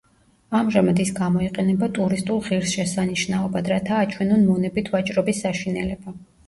ამჟამად ის გამოიყენება ტურისტულ ღირსშესანიშნაობად, რათა აჩვენონ მონებით ვაჭრობის საშინელება.